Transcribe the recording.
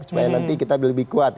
supaya nanti kita lebih kuat